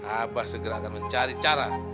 abah segera akan mencari cara